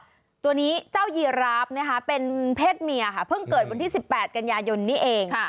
ตัวนี้เจ้ายีราฟนะคะเป็นเพศเมียค่ะเพิ่งเกิดวันที่๑๘กันยายนนี้เอง